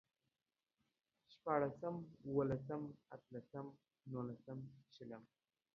شپاړسم، اوولسم، اتلسم، نولسم، شلم